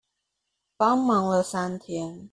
幫忙了三天